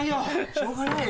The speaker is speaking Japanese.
「しょうがないよ」？